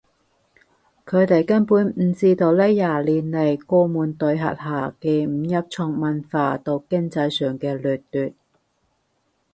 佢哋根本唔知道呢廿年嚟江門對轄下嘅五邑從文化到經濟上嘅掠奪